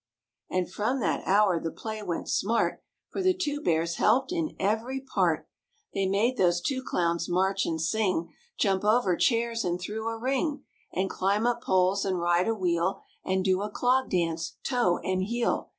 And from that hour the play went smart For the two bears helped in every part They made those two clowns march and sing, Jump over chairs and through a ring, And climb up poles and ride a wheel And do a clog dance, toe and heel.